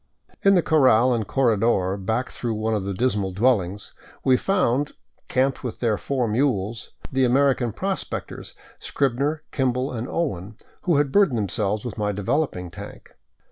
In the corral and corredor back through one of the dismal dwellings we found, camped with their four mules, the American prospectors, Scrib ner, Kimball, and Owen, who had burdened themselves with my developing tank.